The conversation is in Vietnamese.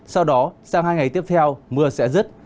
sau đó sang hai ngày tiếp theo mưa sẽ rứt